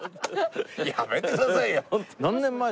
やめてくださいよ。